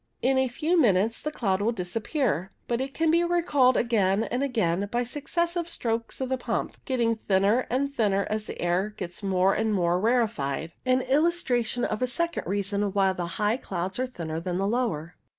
In a few minutes the cloud will dis appear, but it can be recalled again and again by successive strokes of the pump, getting thinner and thinner as the air gets more and more rarefied ; an illustration of a second reason why the high clouds are thinner than the lower.